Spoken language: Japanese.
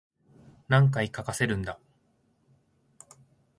何回かかせるんだ